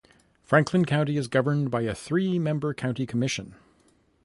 Franklin County is governed by a three-member county commission.